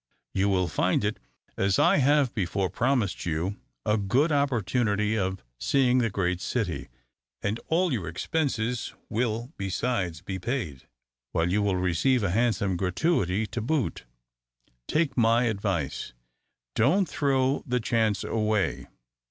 "You will find it, as I have before promised you, a good opportunity of seeing the great city, and all your expenses will besides be paid, while you will receive a handsome gratuity to boot. Take my advice: don't throw the chance away.